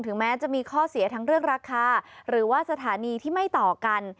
แม้จะมีข้อเสียทั้งเรื่องราคาหรือว่าสถานีที่ไม่ต่อกัน